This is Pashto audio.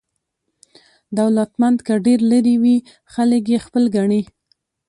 دولتمند که ډېر لرې وي خلک یې خپل ګڼي.